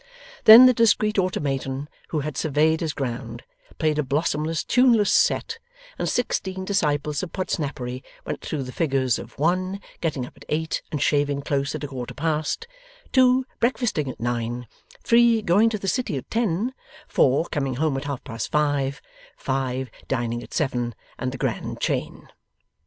Then the discreet automaton who had surveyed his ground, played a blossomless tuneless 'set,' and sixteen disciples of Podsnappery went through the figures of 1, Getting up at eight and shaving close at a quarter past 2, Breakfasting at nine 3, Going to the City at ten 4, Coming home at half past five 5, Dining at seven, and the grand chain.